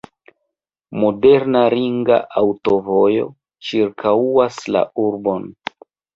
Moderna ringa aŭtovojo ĉirkaŭas la urbon.